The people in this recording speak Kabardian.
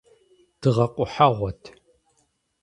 Дыгъэ къухьэгъуэт…